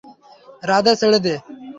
রাধে ছেড়ে দে!